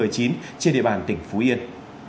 trên địa bàn tỉnh phú yên